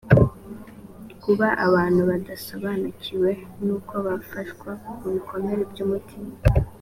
kuba abantu badasobanukiwe n uko bafashwa ku ibikomere by umutima